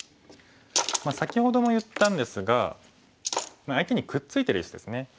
先ほども言ったんですが相手にくっついてる石ですね。